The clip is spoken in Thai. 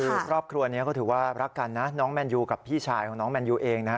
คือครอบครัวนี้ก็ถือว่ารักกันนะน้องแมนยูกับพี่ชายของน้องแมนยูเองนะฮะ